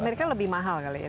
amerika lebih mahal kali ya